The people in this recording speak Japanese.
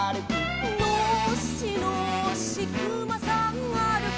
「のっしのっしくまさんあるき」